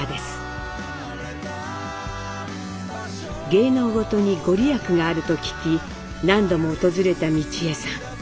芸能事にご利益があると聞き何度も訪れた美智榮さん。